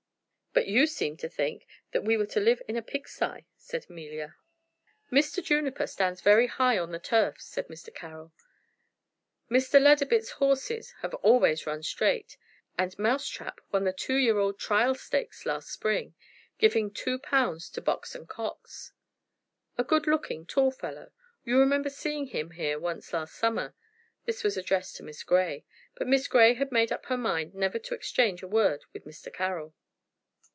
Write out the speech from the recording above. "But you seemed to think that we were to live in a pigsty," said Amelia. "Mr. Juniper stands very high on the turf," said Mr. Carroll. "Mr. Leadabit's horses have always run straight, and Mousetrap won the Two year old Trial Stakes last spring, giving two pounds to Box and Cox. A good looking, tall fellow. You remember seeing him here once last summer." This was addressed to Miss Grey; but Miss Grey had made up her mind never to exchange a word with Mr. Carroll.